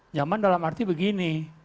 nyaman dalam arti begini